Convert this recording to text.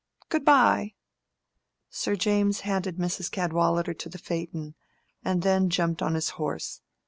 Good by!" Sir James handed Mrs. Cadwallader to the phaeton, and then jumped on his horse.